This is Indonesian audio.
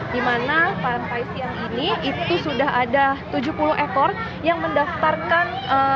di mana sampai siang ini itu sudah ada tujuh puluh ekor yang mendaftarkan